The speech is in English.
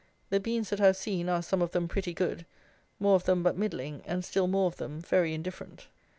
The beans that I have seen are some of them pretty good, more of them but middling, and still more of them very indifferent.